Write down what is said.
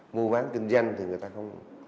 mua bán kinh doanh thì người ta không